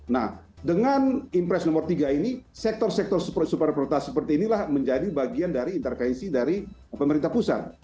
nah dengan impres nomor tiga ini sektor sektor super prioritas seperti inilah menjadi bagian dari intervensi dari pemerintah pusat